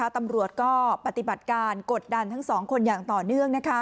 ตำรวจก็ปฏิบัติการกดดันทั้งสองคนอย่างต่อเนื่อง